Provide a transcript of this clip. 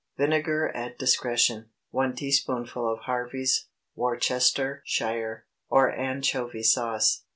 Vinegar at discretion. 1 teaspoonful of Harvey's, Worcestershire, or anchovy sauce.